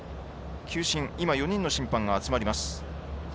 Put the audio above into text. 球審、今４人の審判が集まります。